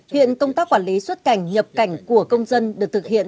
hiện công tác quản lý xuất cảnh nhập cảnh của công dân được thực hiện